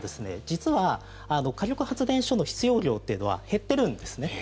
実は火力発電所の必要量というのは減っているんですね。